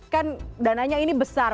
kan dananya ini besar